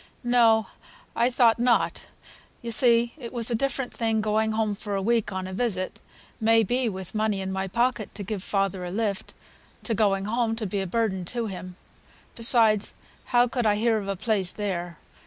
"No, I thought not. You see it was a different thing going home for a week on a visit, may be with money in my pocket to give father a lift, to going home to be a burden to him. Besides, how could I hear o' a place there?